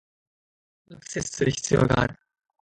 アクセスする必要がある